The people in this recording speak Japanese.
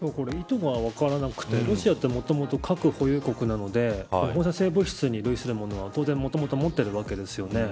意図が分からなくてロシアはもともと核保有国なので放射性物質に類するものはもともと持っているわけです。